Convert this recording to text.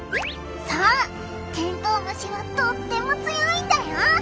そうテントウムシはとっても強いんだよ。